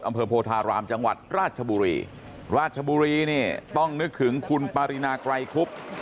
โพธารามจังหวัดราชบุรีราชบุรีเนี่ยต้องนึกถึงคุณปารีนาไกรคุบ